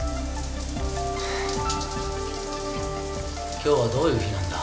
今日はどういう日なんだ。